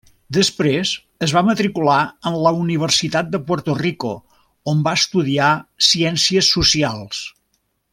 Després es va matricular en la Universitat de Puerto Rico on va estudiar Ciències Socials.